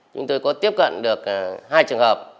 chúng tôi có tiếp cận được hai trường hợp